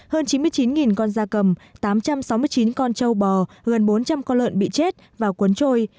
hơn chín mươi chín con da cầm tám trăm sáu mươi chín con châu bò gần bốn trăm linh con lợn bị chết và cuốn trôi